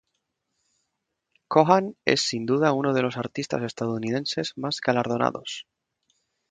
Cohan es sin duda uno de los artistas estadounidenses más galardonados.